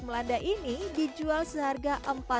melanda ini dijual seharga